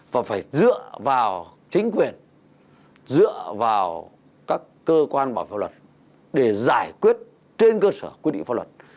và phải dựa vào chính quyền dựa vào các cơ quan bảo pháp luật để giải quyết trên cơ sở quy định pháp luật